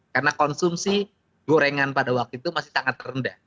karena konsumsi gorengan pada waktu itu masih sangat rendah